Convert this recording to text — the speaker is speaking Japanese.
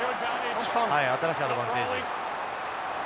新しいアドバンテージ。